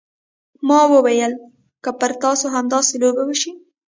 ما وويل که پر تا همداسې لوبې وشي.